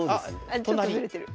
あちょっとずれてる。